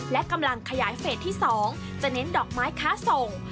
และกำลังขยายเฟสที่๒จะเน้นดอกไม้ค้าส่ง